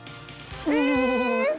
え！